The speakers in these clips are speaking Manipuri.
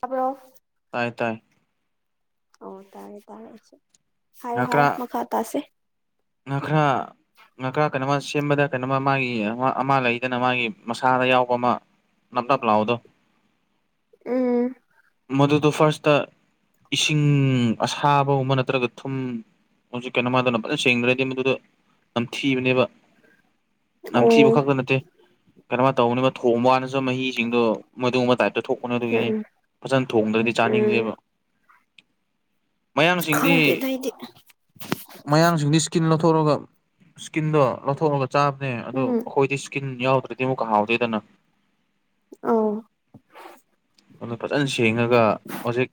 ꯇꯥꯕ꯭ꯔꯣ ꯇꯥꯏ ꯇꯥꯏ ꯑꯣ ꯇꯥꯔꯦ ꯇꯥꯔꯦ ꯑꯩꯁꯨ ꯍꯥꯏꯔꯣ ꯍꯥꯏꯔꯣ ꯃꯈꯥ ꯇꯥꯁꯦ ꯉꯥꯈ꯭ꯔ ꯉꯥꯈꯥ ꯀꯩꯅꯣꯃ ꯁꯦꯝꯕꯗ ꯀꯩꯅꯣꯃ ꯃꯥꯒꯤ ꯑꯃ ꯂꯩꯗꯅ ꯃꯥꯒꯤ ꯃꯁꯥꯗ ꯌꯥꯎꯕ ꯑꯃ ꯅꯞ ꯅꯞ ꯂꯥꯎꯕꯗꯣ ꯎꯝ ꯃꯗꯨꯗꯣ ꯐꯥꯔꯁꯇ ꯏꯁꯤꯡ ꯑꯁꯥꯕꯒꯨꯝꯕ ꯅꯠꯇ꯭ꯔꯒ ꯊꯨꯝ ꯍꯧꯖꯤꯛ ꯀꯩꯅꯣꯃ ꯑꯗꯨꯅ ꯐꯖꯅ ꯁꯦꯡꯗ꯭ꯔ ꯗꯤ ꯃꯗꯨꯗ ꯅꯝꯊꯤꯕꯅꯦꯕ ꯅꯝꯊꯤꯕ ꯑꯣ ꯈꯛꯇ ꯅꯠꯇꯦ ꯀꯦꯏꯅꯣꯝꯃ ꯇꯧꯕꯅꯤꯕ ꯊꯣꯡꯕ ꯋꯥꯅꯁꯨ ꯃꯍꯤꯁꯤꯡꯗꯣ ꯃꯗꯨꯝꯕ ꯇꯥꯏꯞꯇ ꯊꯣꯛ ꯄꯥꯅꯦ ꯑꯗꯨꯒꯤ ꯎꯝ ꯐꯖꯅ ꯊꯣꯡꯗ꯭ꯔꯗꯤ ꯎꯝ ꯆꯥꯅꯤꯡꯗꯦꯕ ꯃꯌꯥꯡꯁꯤꯡꯗꯤ ꯈꯪꯗꯦꯗ ꯑꯩꯗꯤ ꯃꯌꯥꯡꯁꯤꯡꯗꯤ ꯁ꯭ꯀꯤꯟ ꯂꯧꯊꯣꯛꯂꯒ ꯁ꯭ꯀꯤꯟꯗꯣ ꯂꯧꯊꯣꯛꯂꯒ ꯆꯥꯕꯅꯦ ꯑꯗꯣ ꯎꯝ ꯑꯩꯈꯣꯏꯗꯤ ꯁ꯭ꯀꯤꯟ ꯌꯥꯎꯗ꯭ꯔ ꯗꯤ ꯑꯃꯨꯛꯀ ꯍꯥꯎꯇꯦꯗꯅ ꯑꯧ ꯑꯗꯨ ꯐꯖꯅ ꯁꯦꯡꯉꯒ ꯍꯧꯖꯤꯛ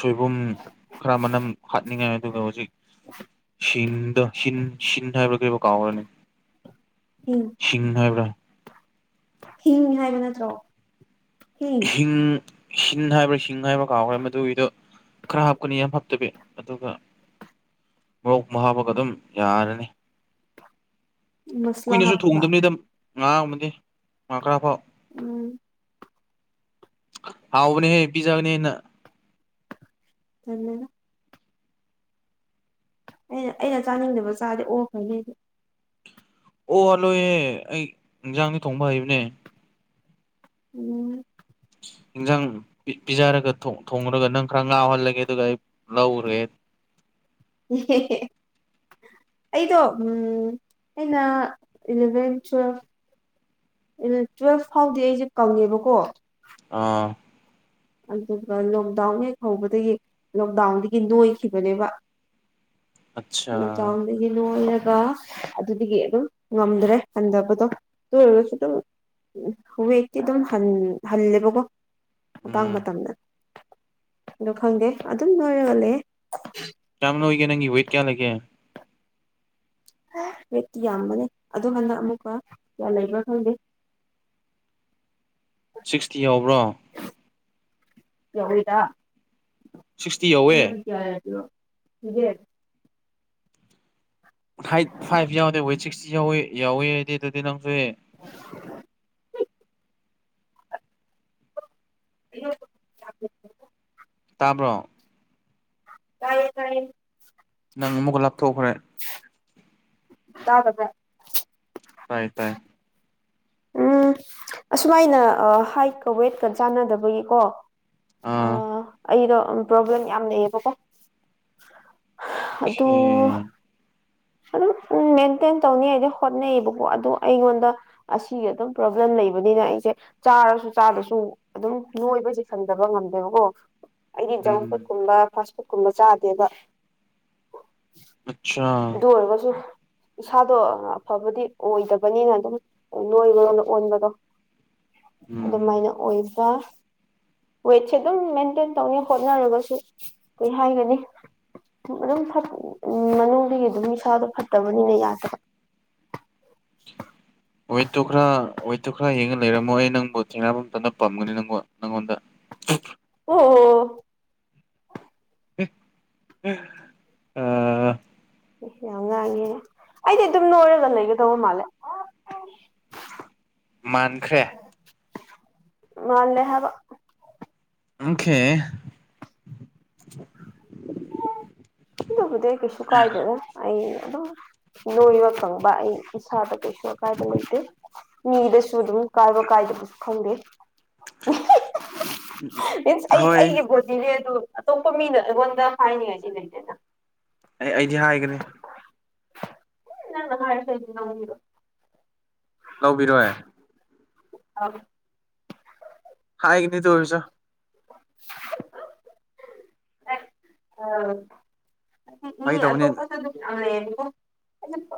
ꯁꯣꯏꯕꯨꯝ ꯈꯔ ꯃꯅꯝ ꯍꯥꯠꯅꯤꯡꯉꯥꯏ ꯑꯗꯨꯒ ꯍꯧꯖꯤꯛ ꯍꯤꯡꯗꯣ ꯍꯤꯡ ꯍꯤꯡ ꯊꯥꯏꯕ ꯀꯩꯕꯨ ꯀꯥꯎꯔꯅꯤ ꯍꯤꯡ ꯍꯤꯡ ꯍꯥꯏꯕ꯭ꯔꯥ ꯍꯤꯡ ꯍꯥꯏꯕ ꯅꯠꯇ꯭ꯔꯣ ꯍꯤꯡ ꯍꯤꯟ ꯍꯥꯏꯕ꯭ꯔꯥ ꯍꯤꯡ ꯍꯥꯏꯕ꯭ꯔꯥ ꯀꯥꯎꯈ꯭ꯔꯦ ꯃꯗꯨꯒꯤꯗꯣ ꯈꯔ ꯍꯥꯞꯀꯅꯤ ꯌꯥꯝ ꯍꯥꯞꯇꯕꯤ ꯑꯗꯨꯒ ꯃꯣꯔꯣꯛꯃ ꯍꯥꯞꯄꯒ ꯑꯗꯨꯝ ꯌꯥꯔꯅꯤ ꯃꯁꯂꯥ ꯀꯨꯏꯅꯁꯨ ꯍꯥꯞꯇꯕ ꯊꯣꯡꯗꯕꯅꯤꯗ [inaudible] ꯉꯥ ꯈꯔ ꯐꯥꯎ ꯎꯝ ꯍꯥꯎꯕꯅꯦꯍꯦ ꯄꯤꯖꯕꯅꯦ ꯑꯩꯅ ꯇꯜꯂꯦꯗ ꯑꯩꯅ ꯑꯩꯅ ꯆꯥꯅꯤꯡꯗꯕ ꯆꯥꯔꯗꯤ ꯑꯣꯈ꯭ꯔꯅꯤ ꯑꯩꯗꯤ ꯑꯣꯍꯂꯣꯏꯍꯦ ꯑꯩ ꯏꯟꯖꯥꯡꯗꯤ ꯊꯣꯡꯕ ꯍꯩꯕꯅꯦ ꯎꯝ ꯏꯟꯖꯥꯥꯡ ꯄꯤ ꯄꯤꯖꯔꯒ ꯊꯣ ꯊꯣꯡꯉꯨꯔꯒ ꯅꯪ ꯈꯔ ꯉꯥꯎꯍꯜꯂꯒꯦ ꯑꯗꯨꯒ ꯑꯩ ꯂꯧꯔꯒꯦ [unintelligible] ꯑꯩꯗꯣ ꯑꯩꯅ ꯏꯂꯥꯚꯦꯟ ꯇꯨꯋꯦꯜꯐ ꯎꯝ ꯇꯨꯋꯦꯜꯐ ꯐꯥꯎꯗꯤ ꯑꯩꯁꯦ ꯀꯪꯉꯦꯕꯀꯣ ꯑꯥ ꯑꯗꯨꯒ ꯂꯣꯛꯗꯥꯎꯟ ꯍꯦꯛ ꯍꯧꯕꯗꯒꯤ ꯂꯣꯛꯗꯥꯎꯟꯗꯒꯤ ꯅꯣꯏꯈꯤꯕꯅꯦꯕ ꯑꯠꯆꯥ ꯂꯣꯛꯗꯥꯎꯟꯗꯩ ꯅꯣꯏꯔꯒ ꯑꯗꯨꯗꯒꯤ ꯑꯗꯨꯝ ꯉꯝꯗ꯭ꯔꯦ ꯍꯟꯊꯕꯗꯣ ꯑꯗꯨ ꯑꯣꯏꯔꯒꯁꯨ ꯑꯗꯨꯝ ꯋꯦꯠꯇꯤ ꯑꯗꯨꯝ ꯍꯟ ꯍꯜꯂꯦꯕꯒꯣ ꯃꯇꯥꯡ ꯎꯝ ꯃꯇꯝꯗ ꯑꯗꯣ ꯈꯪꯗꯦ ꯑꯗꯨꯝ ꯅꯣꯏꯔꯒ ꯂꯩꯌꯦ ꯀꯌꯥꯝ ꯅꯣꯏꯒꯦ ꯅꯪꯒꯤ ꯋꯦꯠ ꯀꯌꯥ ꯂꯩꯒꯦ ꯋꯦꯠꯇꯤ ꯌꯥꯝꯕꯅꯦ ꯑꯗꯨꯒ ꯍꯟꯗꯛ ꯑꯃꯨꯛꯀ ꯀꯌꯥ ꯂꯩꯕ꯭ꯔꯥ ꯈꯪꯗꯦ ꯁꯤꯛꯁꯇꯤ ꯌꯧꯕ꯭ꯔꯣ ꯌꯧꯏꯗꯥ ꯁꯤꯛꯁꯇꯤ ꯌꯧꯋꯦ ꯌꯥꯏ ꯑꯗꯨꯅꯣ ꯁꯤꯗꯦ ꯍꯥꯏꯠ ꯐꯥꯏꯚ ꯌꯥꯎꯗꯦ ꯋꯦꯠ ꯁꯤꯛꯁꯇꯤ ꯌꯧꯋꯤ ꯌꯧꯋꯤ ꯍꯥꯏꯗꯤ ꯑꯗꯨꯗꯤ ꯅꯪꯁꯦ [inaudible] [inaudible] ꯇꯥꯕ꯭ꯔꯣ ꯇꯥꯏꯌꯦ ꯇꯥꯏꯌꯦ ꯅꯪ ꯑꯃꯨꯛꯀ ꯂꯥꯞꯊꯣꯛꯈ꯭ꯔꯦ ꯇꯥꯕꯗ꯭ꯔꯥ ꯇꯥꯏ ꯇꯥꯏ ꯎꯝ ꯑꯁꯨꯃꯥꯏꯅ ꯑ ꯍꯥꯏꯠꯀ ꯋꯦꯠꯀ ꯆꯥꯟꯅꯗꯕꯒꯤꯀꯣ ꯑ ꯑꯥ ꯑꯩꯗꯣ ꯑꯝ ꯄ꯭ꯔꯣꯕ꯭ꯂꯦꯝ ꯌꯥꯝ ꯂꯩꯌꯦꯕꯀꯣ ꯑꯗꯨ ꯑꯣꯀꯦ ꯑꯗꯨꯝ ꯎꯝ ꯃꯦꯟꯇꯦꯟ ꯇꯧꯅꯤ ꯍꯥꯏꯗꯤ ꯍꯣꯠꯅꯩꯕꯀꯣ ꯑꯗꯨ ꯑꯩꯉꯣꯟꯗ ꯑꯁꯤꯒꯤ ꯑꯗꯨꯝ ꯄ꯭ꯔꯣꯕ꯭ꯂꯦꯝ ꯂꯩꯕꯅꯤꯅ ꯑꯩꯁꯦ ꯆꯥꯔꯁꯨ ꯆꯥꯗ꯭ꯔꯁꯨ ꯑꯗꯨꯝ ꯅꯣꯏꯕꯁꯦ ꯍꯟꯗꯕ ꯉꯝꯗꯦꯕꯀꯣ ꯑꯩꯗꯤ ꯖꯪꯛ ꯎꯝ ꯐꯨꯗꯀꯨꯝꯕ ꯐꯥꯁ ꯐꯨꯗꯀꯨꯝꯕ ꯆꯥꯗꯦꯕ ꯑꯠꯁꯥ ꯑꯗꯨ ꯑꯣꯏꯔꯒꯁꯨ ꯏꯁꯥꯗꯣ ꯑꯐꯕꯗꯤ ꯑꯣꯏꯗꯕꯅꯤꯅ ꯑꯗꯨꯝ ꯅꯣꯏꯕꯔꯣꯝꯗ ꯑꯣꯟꯕꯗꯣ ꯎꯝ ꯑꯗꯨꯃꯥꯏꯅ ꯑꯣꯏꯕ ꯋꯦꯠꯁꯦ ꯑꯗꯨꯝ ꯃꯦꯟꯇꯦꯟ ꯇꯧꯅꯤ ꯍꯣꯠꯅꯔꯒꯁꯨ ꯀꯩ ꯍꯥꯏꯒꯅꯤ ꯑꯗꯨꯝ ꯐꯠ ꯎ ꯃꯅꯨꯡꯗꯒꯤꯒꯤ ꯑꯗꯨꯝ ꯏꯁꯥꯗꯣ ꯐꯠꯇꯕꯅꯤꯅ ꯌꯥꯗꯕ [inaudible] ꯋꯦꯠꯇꯨ ꯈꯔ ꯋꯦꯠꯇꯨ ꯈꯔ ꯌꯦꯡꯉ ꯂꯩꯔꯝꯃꯣ ꯑꯩ ꯅꯪꯕꯨ ꯊꯦꯡꯅꯕ ꯃꯇꯝꯗ ꯄꯥꯝꯒꯅꯤ ꯅꯪꯕꯨ ꯅꯪꯉꯣꯟꯗ ꯑꯣ ꯑ [unintelligible] ꯌꯥꯝ ꯉꯥꯡꯉꯦ ꯑꯩꯗꯤ ꯑꯗꯨꯝ ꯅꯣꯏꯔꯒ ꯂꯩꯒꯗꯧꯕ ꯃꯥꯜꯂꯦ ꯃꯥꯟꯈ꯭ꯔꯦ ꯃꯥꯂꯦ ꯍꯥꯏꯕ ꯑꯣꯀꯦ ꯑꯗꯨꯕꯨꯗꯤ ꯑꯩ ꯀꯩꯁꯨ ꯀꯥꯏꯗꯦꯗ ꯑꯩ ꯑꯗꯨꯝ ꯅꯣꯏꯕ ꯈꯪꯕ ꯑꯩ ꯏꯁꯥꯗ ꯀꯩꯁꯨ ꯑꯀꯥꯏꯕ ꯂꯩꯇꯦ ꯃꯤꯗꯁꯨ ꯑꯗꯨꯝ ꯀꯥꯏꯕ ꯀꯥꯏꯗꯕꯁꯨ ꯈꯪꯗꯦ ꯃꯤꯟꯁ ꯑꯩ ꯍꯣꯏ ꯑꯩꯒꯤ ꯄꯣꯢ ꯁꯤꯅꯦ ꯑꯗꯨ ꯑꯇꯣꯞꯄ ꯃꯤꯅ ꯑꯩꯉꯣꯟꯗ ꯍꯥꯏꯅꯤꯡꯉꯥꯏꯗꯤ ꯂꯩꯇꯦꯗ ꯑꯦ ꯑꯩꯗꯤ ꯍꯥꯏꯒꯅꯤ ꯅꯪꯅ ꯍꯥꯢꯔꯁꯨ ꯑꯩꯅ ꯂꯧꯕꯤꯔꯣꯢ ꯂꯧꯕꯤꯔꯣꯏ ꯑꯥ ꯍꯥꯏꯒꯅꯤ ꯑꯗꯨ ꯑꯣꯏꯔꯁꯨ ꯑ [unintelligible] ꯃꯤ ꯐꯥꯒꯤ ꯇꯧꯕꯅꯤ ꯑꯇꯣꯞꯄꯁꯨ [unintelligible] ꯑꯗꯨ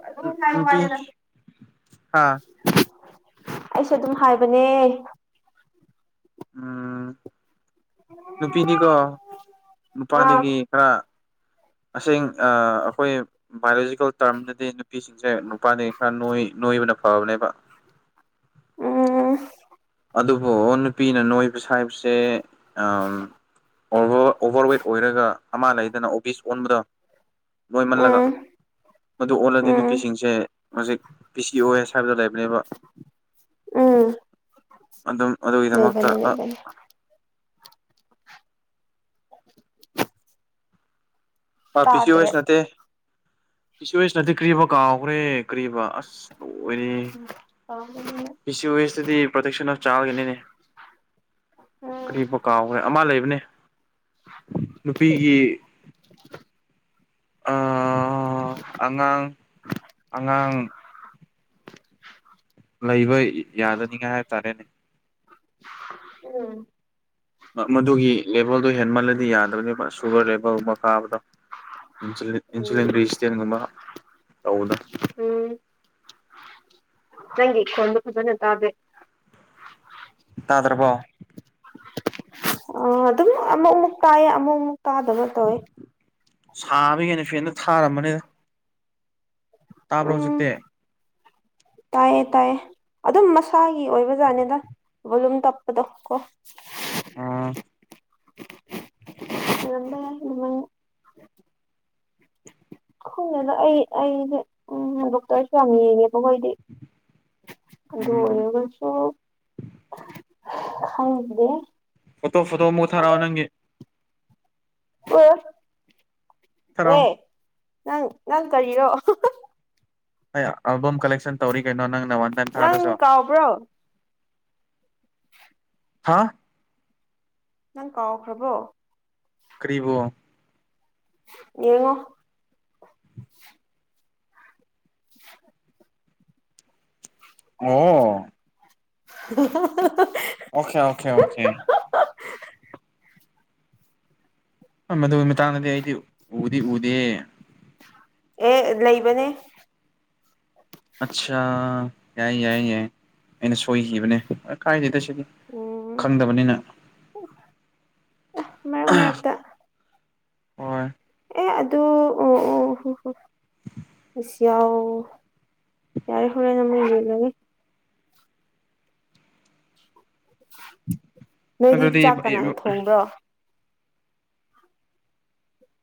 ꯑꯗꯨꯗ ꯅꯨꯄꯤ [unintelligible] ꯍꯥ ꯑꯩꯁꯨ ꯑꯗꯨꯝ ꯍꯥꯏꯕꯅꯦ ꯎꯝ ꯅꯨꯄꯤꯗꯤꯀꯣ ꯑꯥ ꯅꯨꯄꯥꯗꯒꯤ ꯈꯔ ꯑꯁꯦꯡ ꯑ ꯑꯩꯈꯣꯏ ꯕꯥꯏꯑꯣꯂꯣꯖꯤꯀꯦꯜ ꯇꯥꯔꯝꯗꯗꯤ ꯅꯨꯄꯤꯁꯤꯡꯁꯦ ꯅꯨꯄꯥꯗꯒꯤ ꯈꯔ ꯅꯣꯢ ꯅꯣꯏꯕꯅ ꯐꯕꯅꯦꯕ ꯎꯝ ꯑꯗꯨꯕꯨ ꯅꯨꯄꯤꯅ ꯅꯣꯏꯕ ꯍꯥꯏꯕꯁꯦ ꯑꯝ ꯑꯣꯕꯔ ꯑꯣꯚꯔꯋꯦꯠ ꯑꯣꯏꯔꯒ ꯑꯃ ꯂꯩꯗꯅ ꯑꯣꯕꯤꯁ ꯑꯣꯟꯕꯗꯣ ꯅꯣꯏꯃꯜꯂꯒ ꯎꯝ ꯃꯗꯨ ꯑꯣꯜꯂꯗꯤ ꯎꯝ ꯅꯨꯄꯤꯁꯤꯡꯁꯦ ꯍꯧꯖꯤꯛ ꯄꯤꯁ ꯑꯣꯏ ꯍꯥꯢꯕꯗꯣ ꯂꯩꯕꯅꯦꯕ ꯎꯝ ꯑꯗꯨꯝ ꯑꯗꯨꯒꯤꯗꯃꯛꯇ ꯂꯩꯕꯅꯦ ꯑ ꯂꯩꯕꯅꯦ [unintelligible] ꯑ ꯄꯤ ꯁꯤ ꯇꯥꯗ꯭ꯔꯦ ꯑꯣꯢꯁ ꯅꯠꯇꯦ ꯄꯤ ꯁꯤ ꯑꯣꯢꯁ ꯅꯠꯇꯦ ꯀ꯭ꯔꯤꯕ ꯀꯥꯎꯈ꯭ꯔꯦ ꯀ꯭ꯔꯤꯕ ꯑꯁ ꯂꯣꯏꯔꯦ ꯎꯝ ꯄꯥꯝꯕꯅꯦ ꯄꯤ ꯁꯤ ꯋꯦꯁꯇꯗꯤ ꯄ꯭ꯔꯣꯇꯦꯛꯁꯟ ꯑꯃ ꯆꯥꯜꯒꯤꯅꯤꯅꯦ ꯎꯝ ꯀꯔꯤꯕ ꯀꯥꯎꯈ꯭ꯔꯦ ꯑꯃ ꯂꯩꯕꯅꯦ ꯅꯨꯄꯤꯒꯤ ꯑꯥ ꯑꯉꯥꯡ ꯑꯉꯥꯡ ꯂꯩꯕ ꯌꯥꯗꯅꯤꯡꯉꯥꯏ ꯍꯥꯏꯕ ꯇꯔꯦꯅꯦ ꯎꯝ ꯃꯗꯨꯒꯤ ꯂꯦꯚꯜꯗꯣ ꯍꯦꯟꯃꯜꯂꯗꯤ ꯌꯥꯗꯕꯅꯦꯕ ꯁꯨꯒꯔ ꯂꯦꯚꯦꯜꯒꯨꯝꯕ ꯀꯥꯕꯗꯣ ꯏꯟꯁꯨꯂꯤꯟ ꯔꯦꯖꯤꯁꯇꯦꯟꯒꯨꯝꯕ ꯇꯧꯕꯗꯣ ꯅꯪꯒꯤ ꯈꯣꯟꯗꯣ ꯐꯖꯅ ꯇꯥꯗꯦ ꯇꯥꯗ꯭ꯔꯥ ꯕꯣ ꯑ ꯑꯗꯨꯝ ꯑꯃꯨꯛꯃꯨꯛ ꯇꯥꯏꯌꯦ ꯑꯃꯨꯛ ꯑꯃꯨꯛ ꯇꯥꯗꯕ ꯇꯧꯋꯦ ꯁꯥꯕꯒꯤꯅꯦ ꯐꯦꯟꯗꯨ ꯊꯥꯔꯝꯕꯅꯤꯗ ꯇꯥꯕ꯭ꯔꯣ ꯎꯝ ꯍꯧꯖꯤꯛꯇꯤ ꯇꯥꯏꯌꯦ ꯇꯥꯏꯌꯦ ꯑꯗꯨꯝ ꯃꯁꯥꯒꯤ ꯑꯣꯏꯕ ꯖꯥꯠꯅꯤꯗ ꯚꯣꯂꯨꯝ ꯇꯞꯄꯗꯣ ꯀꯣ ꯑ [unintelligible] ꯈꯪꯗꯦꯗ ꯑꯩ ꯑꯩꯗꯤ ꯎꯝ ꯗꯣꯛꯇꯔꯁꯨ ꯌꯥꯝ ꯌꯦꯡꯉꯦꯕ ꯀꯣ ꯑꯩꯗꯤ ꯑꯗꯨ ꯎꯝ ꯑꯣꯏꯔꯒꯁꯨ ꯈꯪꯗꯔꯦ ꯐꯣꯇꯣ ꯐꯣꯇꯣ ꯑꯃꯨꯛ ꯊꯥꯔꯛꯑꯣ ꯅꯪꯒꯤ ꯑꯦ ꯊꯥꯔꯛꯑꯣ ꯑꯦ ꯅꯪ ꯅꯪ ꯀꯔꯤꯔꯣ ꯑꯩ ꯑꯦꯜꯕꯝ ꯀꯂꯦꯛꯁꯟ ꯇꯧꯔꯤ ꯀꯩꯅꯣ ꯅꯪꯅ ꯋꯥꯟ ꯇꯥꯏꯝ ꯅꯪ ꯊꯥꯔꯁꯨ ꯀꯥꯎꯕ꯭ꯔꯣ [unintelligible] ꯍꯥꯥ ꯅꯪ ꯀꯥꯎꯈ꯭ꯔꯕꯣ ꯀ꯭ꯔꯤꯕꯣ ꯌꯦꯡꯉꯣ [unintelligible] ꯑꯦ [unintelligible] ꯑꯣꯀꯦ ꯑꯣꯀꯦ ꯑꯣꯀꯦ ꯑ ꯃꯗꯨꯒꯤ ꯃꯇꯥꯡꯗꯗꯤ ꯑꯩꯗꯤ ꯎꯗꯤ ꯎꯗꯦ ꯑꯦ ꯂꯩꯕꯅꯦ ꯑꯠꯁꯥ ꯌꯥꯏ ꯌꯥꯏ ꯌꯥꯏ ꯑꯩꯅ ꯁꯣꯏꯈꯤꯕꯅꯦ ꯀꯥꯏꯗꯦꯗ ꯁꯤꯗꯤ ꯎꯝ ꯈꯪꯗꯕꯅꯤꯅ ꯃꯔꯛ ꯃꯔꯛꯇ ꯍꯣꯏ ꯑꯦ ꯑꯗꯨ ꯑꯣ ꯑꯣ ꯑꯁ ꯌꯥꯎ ꯌꯥꯔꯦ ꯍꯨꯔꯦꯟ ꯃꯨꯛ ꯌꯦꯡꯍꯟꯂꯅꯤ ꯅꯣꯏꯗꯤ ꯑꯗꯨꯗꯤ ꯆꯥꯛ ꯀꯅꯥꯅ ꯊꯣꯡꯕ꯭ꯔꯣ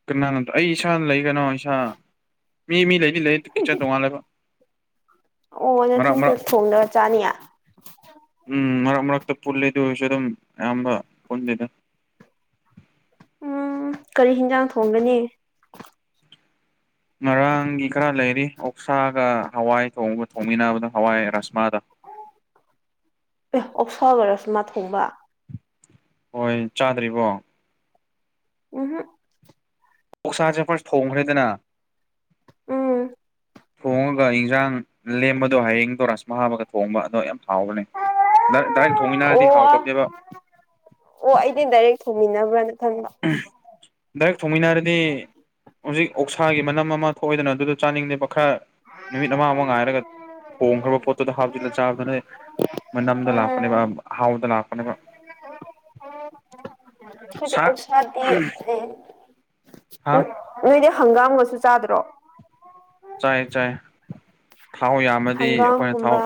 ꯀꯅꯥꯅꯣꯗꯣ ꯑꯩ ꯏꯁꯥꯅ ꯂꯩ ꯀꯅꯣ ꯏꯁꯥ ꯃꯤ ꯃꯤ ꯂꯩꯗꯤ ꯂꯩ ꯀꯤꯠꯆꯟ ꯇꯣꯡꯉꯥꯜꯂꯦꯕ ꯑꯣ ꯅꯊꯟꯇ ꯊꯣꯡꯗꯔ ꯆꯥꯅꯤꯌꯥ ꯎꯝ ꯃꯔꯛ ꯃꯔꯛꯇ ꯄꯨꯜꯂꯤ ꯑꯗꯨ ꯑꯣꯏꯔꯁꯨ ꯑꯗꯨꯝ ꯑꯌꯥꯝꯕ ꯄꯨꯟꯗꯦꯗ ꯎꯝ ꯀꯔꯤ ꯍꯤꯟꯖꯥꯡ ꯊꯣꯡꯒꯅꯤ ꯉꯔꯥꯡꯒꯤ ꯈꯔ ꯂꯩꯔꯤ ꯑꯣꯛꯁꯥꯒ ꯍꯋꯥꯏ ꯊꯣꯡꯒ ꯊꯣꯡꯃꯤꯟꯅꯕꯗ ꯍꯋꯥꯏ ꯔꯥꯁꯃꯥꯗ ꯑꯦ ꯑꯣꯛꯁꯋꯥ ꯑꯣꯏꯔꯁꯨ ꯃꯥ ꯊꯣꯡꯕ ꯍꯣꯏ ꯆꯥꯗ꯭ꯔꯤꯕꯣ ꯎꯝ ꯍꯨꯝ ꯑꯣꯛꯁꯥꯁꯦ ꯐꯁ ꯊꯣꯡꯈ꯭ꯔꯦꯗꯅ ꯎꯝ ꯊꯣꯡꯉꯒ ꯏꯟꯖꯥꯡ ꯂꯦꯝꯕꯗꯣ ꯍꯌꯦꯡꯗꯣ ꯔꯥꯁ ꯃꯍ ꯍꯥꯕꯒ ꯊꯣꯡꯕ ꯑꯗꯣ ꯌꯥꯝ ꯍꯥꯎꯕꯅꯦ ꯗꯥꯏꯔꯦꯛ ꯗꯥꯏꯔꯦꯛ ꯑꯣ ꯊꯣꯡꯃꯤꯟꯅꯔꯗꯤ ꯍꯥꯎꯗꯕꯅꯦꯕ ꯑꯣ ꯑꯩꯗꯤ ꯗꯥꯏꯔꯦꯛ ꯊꯣꯡꯃꯤꯟꯅꯕ꯭ꯔꯅ ꯈꯟꯕ ꯗꯥꯢꯔꯦꯛ ꯊꯣꯡꯃꯤꯟꯅꯔꯗꯤ ꯍꯧꯖꯤꯛ ꯑꯣꯛꯁꯥꯒꯤ ꯃꯅꯝ ꯑꯃ ꯊꯣꯛꯏꯗꯅ ꯑꯗꯨꯗꯣ ꯆꯥꯅꯤꯡꯗꯦꯕ ꯈꯔ ꯅꯨꯃꯤꯠ ꯑꯃ ꯑꯃ ꯉꯥꯏꯔꯒ ꯊꯣꯡꯈ꯭ꯔꯕ ꯄꯣꯠꯇꯨꯗ ꯍꯥꯞꯆꯤꯜꯂ ꯆꯥꯕꯗꯨ ꯅꯣꯏ ꯃꯅꯝꯗ ꯂꯥꯛꯄꯅꯦꯕ ꯎꯝ ꯍꯥꯎꯗ ꯂꯥꯛꯄꯅꯦ [inaudible] ꯑꯩꯈꯣꯏꯗꯤ ꯁꯥꯛ ꯑꯣꯁꯗꯤ ꯍꯥ ꯎ ꯅꯣꯏꯗꯤ ꯍꯪꯒꯥꯝꯒꯁꯨ ꯆꯥꯗ꯭ꯔꯣ ꯆꯥꯏ ꯆꯥꯏ ꯊꯥꯎ ꯌꯥꯝꯃꯗꯤ ꯑꯩꯈꯣꯏꯅ ꯊꯥꯎ ꯍꯪꯒꯥꯝꯒꯨꯝꯕ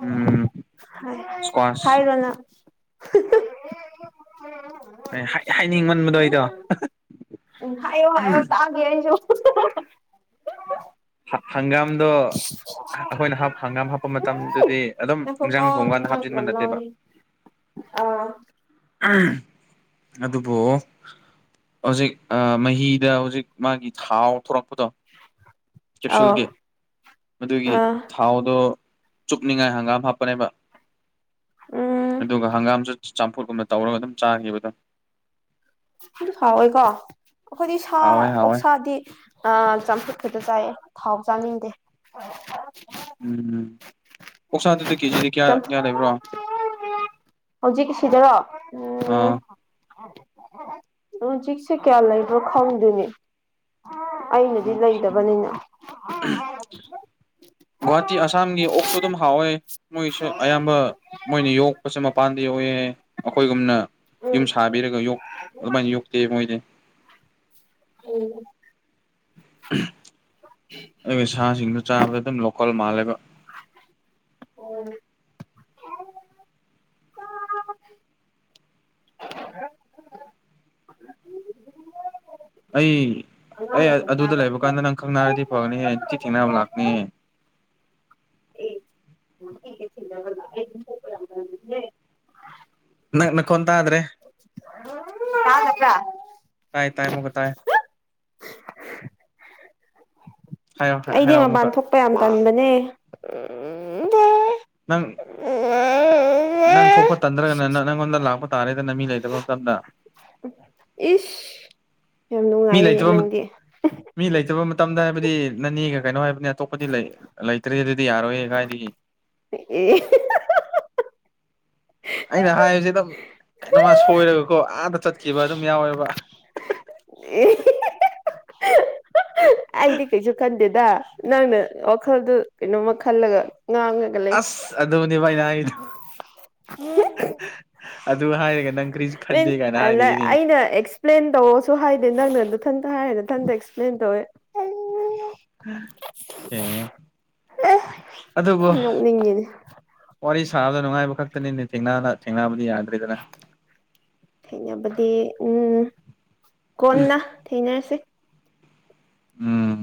ꯎꯝ ꯏꯁꯀ꯭ꯋꯥꯁ ꯍꯥꯏꯔꯣ ꯅꯪ ꯑꯩ ꯍꯥꯏꯅꯤꯡꯃꯟꯕꯗꯣ ꯑꯩꯗꯣ [unintelligible] ꯍꯥꯏꯌꯣ ꯍꯥꯏꯌꯣ ꯇꯥꯒꯦ ꯑꯩꯁꯨ ꯍꯪꯒꯥꯝꯗꯣ ꯑꯩꯈꯣꯏꯅ ꯍꯪꯒꯥꯝ ꯍꯥꯞꯄ ꯃꯇꯝꯗꯨꯗꯤ ꯑꯗꯨꯝ ꯏꯟꯖꯥꯡ ꯉꯥꯏꯈꯣꯀꯣ ꯊꯣꯡꯀꯥꯟꯗ ꯅꯪ ꯍꯥꯞꯆꯤꯟꯕ ꯌꯥꯝ ꯅꯠꯇꯦꯕ ꯂꯥꯡꯉꯦ ꯑꯥ ꯑꯗꯨꯕꯨ ꯍꯧꯖꯤꯛ ꯃꯍꯤꯗ ꯍꯧꯖꯤꯛ ꯃꯥꯒꯤ ꯊꯥꯎ ꯊꯣꯔꯛꯄꯗꯣ [unintelligible] ꯀꯦꯞꯁꯨꯜꯒꯤ ꯃꯗꯨꯒꯤ ꯑꯥ ꯊꯥꯎꯗꯣ ꯆꯨꯞꯅꯤꯡꯉꯥꯏ ꯍꯪꯒꯥꯝ ꯍꯥꯞꯄꯅꯦꯕ ꯎꯝ ꯑꯗꯨꯒ ꯍꯪꯒꯥꯝꯁꯨ ꯆꯝꯐꯨꯠ ꯀꯨꯝꯅ ꯇꯧꯔꯒ ꯑꯗꯨꯝ ꯆꯥꯈꯤꯕ ꯑꯗꯨꯝ ꯑꯗꯨ ꯍꯥꯎꯋꯦꯀꯣ ꯑꯩꯈꯣꯏꯗꯤ ꯁꯥ ꯍꯥꯎꯋꯦ ꯍꯥꯎꯋꯦ ꯑꯣꯛꯁꯥꯗꯤ ꯑꯥ ꯆꯥꯝꯐꯨꯠ ꯈꯛꯇ ꯆꯥꯏꯌꯦ ꯊꯥꯎ ꯆꯥꯅꯤꯡꯗꯦ ꯎꯝ ꯑꯥꯛꯁꯥꯗꯨꯗꯤ ꯀꯦꯖꯤꯗ ꯀꯌꯥ ꯀꯌꯥ ꯆꯝꯐꯨꯠ ꯂꯩꯕ꯭ꯔꯣ ꯍꯧꯖꯤꯛ ꯁꯤꯗꯔꯣ ꯑꯥ ꯎꯝ ꯎꯝ ꯍꯧꯖꯤꯛꯁꯤ ꯀꯌꯥ ꯂꯩ ꯔꯣ ꯈꯗꯨꯅꯤ ꯑꯩꯅꯗꯤ ꯑꯣꯀꯦ ꯂꯩꯗꯕꯅꯤꯅ ꯒꯨꯍꯥꯇꯤ ꯑꯁꯥꯝꯒꯤ ꯑꯣꯛꯁꯨ ꯑꯗꯨꯝ ꯍꯥꯎꯋꯦ ꯃꯣꯏꯁꯨ ꯑꯌꯥꯝꯕ ꯃꯣꯏꯅ ꯌꯣꯛꯄꯁꯦ ꯃꯄꯥꯟꯗ ꯌꯣꯛꯑꯦ ꯑꯩꯈꯣꯏꯒꯨꯝꯅ ꯌꯨꯝ ꯎꯝ ꯁꯥꯕꯤꯔꯒ ꯌꯣꯛ ꯑꯗꯨꯃꯥꯏꯅ ꯌꯣꯛꯇꯦ ꯃꯣꯏꯗꯤ ꯎꯝ ꯑꯩ ꯁꯥꯁꯤꯡꯗꯣ ꯆꯥꯕꯗ ꯑꯗꯨꯝ ꯂꯣꯀꯜ ꯃꯥꯜꯂꯦꯕ [unintelligible] ꯑꯩ ꯑꯉꯥꯡ ꯑꯩ ꯃꯈꯣꯟ ꯑꯗꯨꯗ ꯇꯥꯕ꯭ꯔꯥ ꯂꯩꯕ ꯀꯥꯟꯗ ꯅꯪ ꯈꯪ ꯅꯥꯔꯗꯤ ꯐꯒꯅꯤꯍꯦ ꯅꯨꯡꯇꯤ ꯊꯦꯡꯅꯕ ꯂꯥꯛꯀꯅꯤꯍꯦ [unintelligible] ꯅꯪ ꯅꯈꯣꯟ ꯇꯥꯗ꯭ꯔꯦ ꯇꯥꯏ ꯇꯥꯏ ꯑꯃꯨꯛꯀꯥ ꯇꯥꯢ ꯑꯩꯗꯤ ꯃꯄꯥꯟ ꯊꯣꯛꯄ ꯌꯥꯝ ꯇꯟꯕꯅꯦ ꯅꯪ [unintelligible] ꯅꯪ ꯊꯣꯛꯄ ꯇꯟꯗ꯭ꯔꯒꯅ ꯅꯪꯉꯣꯟꯗ ꯂꯥꯛꯄ ꯇꯥꯔꯦꯗꯅ ꯃꯤ ꯂꯩꯇꯕ ꯃꯇꯝꯗ ꯏꯁ ꯌꯥꯝ ꯃꯤ ꯅꯨꯡꯉꯥꯏꯌꯦꯅꯦ ꯂꯩꯇꯕ ꯅꯪꯗꯤ ꯃꯤ ꯂꯩꯇꯕ ꯃꯇꯝꯗ ꯍꯥꯏꯕꯗꯤ ꯅꯅꯦꯒ ꯀꯩꯅꯣ ꯍꯥꯏꯕꯅꯤ ꯑꯇꯣꯞꯄꯗꯤ ꯂꯩꯇ꯭ꯔꯦ ꯑꯗꯨꯗꯤ ꯌꯥꯔꯣꯏꯌꯦ ꯀꯥꯏꯗꯒꯤ [unintelligible] ꯑꯩꯅ ꯍꯥꯏꯕꯁꯦ ꯑꯗꯨꯝ ꯀꯩꯅꯣꯝꯃ ꯁꯣꯏꯔꯒꯀꯣ ꯑꯥꯗ ꯆꯠꯈꯤꯕ ꯑꯗꯨꯝ ꯌꯥꯎꯋꯦꯕ ꯑꯩꯗꯤ ꯀꯩꯁꯨ ꯈꯟꯗꯦꯗ ꯅꯪꯅ ꯋꯥꯈꯜꯗꯨ ꯀꯩꯅꯣꯝꯃ ꯈꯜꯂꯒ ꯉꯥꯡꯒꯅꯤ ꯑꯁ ꯑꯗꯨꯅꯦꯕ ꯑꯩꯩꯅ ꯍꯥꯢꯗꯣ [unintelligible] ꯑꯗꯨ ꯍꯥꯏꯔꯒ ꯅꯪ ꯀꯔꯤꯁꯨ ꯈꯟꯗꯦ [unintelligible] ꯀꯥꯏꯅ ꯑꯩꯅ ꯍꯥꯏꯔꯤꯅꯦ ꯑꯦꯛ ꯑꯦꯛꯁꯄ꯭ꯂꯦꯟ ꯇꯧꯔꯁꯨ ꯍꯥꯏꯗꯦ ꯅꯪꯅ ꯑꯗꯨ ꯏꯊꯟꯇ ꯍꯥꯏꯔꯦ ꯏꯊꯟꯇ ꯑꯦꯛꯁꯄ꯭ꯂꯦꯟ ꯇꯧꯋꯦ ꯑꯦ ꯑꯦ ꯑꯗꯨꯕꯨ ꯅꯣꯛꯅꯤꯡꯉꯤꯅꯦ ꯋꯥꯔꯤ ꯁꯥꯕꯗ ꯅꯨꯡꯉꯥꯏꯕ ꯈꯛꯇꯅꯤꯅꯦ ꯊꯦꯡꯅ ꯊꯦꯡꯕꯗꯤ ꯌꯥꯗ꯭ꯔꯤꯗꯅ ꯊꯦꯡꯅꯕꯗꯤ ꯎꯝ ꯀꯣꯟꯅ ꯊꯦꯡꯅꯔꯁꯤ ꯎꯝ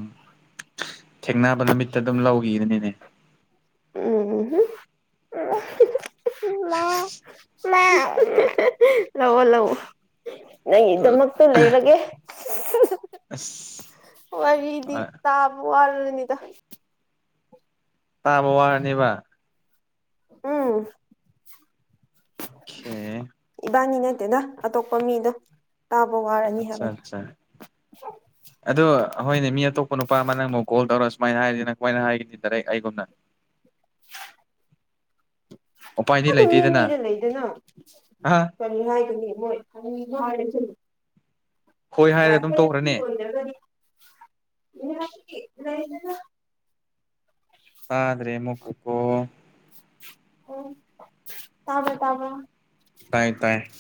ꯊꯦꯡꯅꯕ ꯅꯨꯃꯤꯠꯇ ꯑꯗꯨꯝ ꯂꯧꯒꯤꯑꯅꯨꯅꯦ ꯎꯝ ꯂꯧꯑꯣ ꯂꯧꯑꯣ ꯅꯪꯢꯗꯃꯛ__ ꯇ ꯂꯩꯔꯒꯦ ꯑꯁ ꯋꯥꯔꯤꯗꯤ ꯇꯥꯞ ꯋꯥꯜꯂꯅꯤꯗ ꯇꯥꯕ ꯋꯥꯔꯅꯤꯕ ꯎꯝ ꯈꯦ ꯏꯕꯥꯅꯤ ꯅꯠꯇꯦꯗ ꯑꯇꯣꯞꯄ ꯃꯤꯗꯣ ꯇꯥꯕ ꯋꯥꯔꯦ ꯑꯠꯆꯥ ꯑꯠꯆꯥ [inaudible] ꯑꯗꯣ ꯍꯣꯏꯅꯦ ꯃꯤ ꯑꯇꯣꯞꯄ ꯅꯨꯄꯥ ꯑꯃ ꯅꯪꯕꯨ ꯀꯣꯜ ꯇꯧꯔ ꯁꯨꯃꯥꯏꯅ ꯍꯥꯏꯔꯤ ꯅꯪ ꯀꯃꯥꯏꯅ ꯍꯥꯏꯒꯗꯤ ꯗꯥꯏꯔꯦꯛ ꯑꯩꯒꯨꯝꯅ ꯎꯄꯥꯏꯗꯤ ꯑꯗꯨ ꯃꯤ ꯂꯩꯇꯦꯗꯅ ꯃꯤꯗ ꯂꯩꯗꯅ ꯍꯥ ꯀꯔꯤ ꯍꯥꯏꯒꯅꯤ ꯃꯣꯏ [unintelligible] ꯍꯣꯏ ꯍꯥꯏꯔꯒ ꯑꯗꯨꯝ ꯇꯣꯛꯈ꯭ꯔꯅꯦ [unintelligible] ꯂꯩꯗꯅ ꯇꯗ꯭ꯔꯦ ꯑꯃꯨꯛꯀ ꯄꯨ ꯎꯝ ꯇꯥꯕ꯭ꯔꯥ ꯇꯥꯕ꯭ꯔꯥ ꯇꯥꯏꯌꯦ ꯇꯥꯏ